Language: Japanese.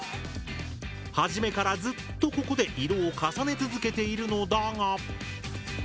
初めからずっとここで色を重ね続けているのだが。